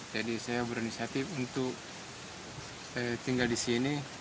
jadi saya berinisiatif untuk tinggal di sini